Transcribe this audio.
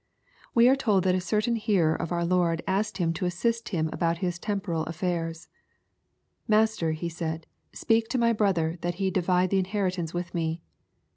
We are told that a certain hearer of our Lord asked Him to assist him about his temporal affairs. Master/' he said, " speak to my brother, that he divide the inheritance with me."